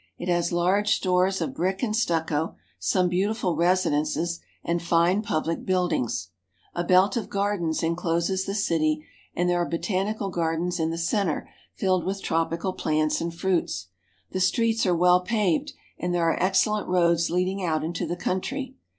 It has large stores of brick and stucco, some beautiful residences, and fine pub lic buildings. A belt of gardens incloses the city, and there are botanical gardens in the center filled with tropi cal plants and fruits. The streets are well paved, and there are excellent roads leading out into the country.